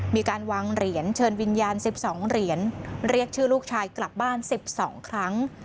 มีการวางเหรียญเชิญวิญญาณ๑๒เหรียญเรียกชื่อลูกชายกลับบ้าน๑๒ครั้ง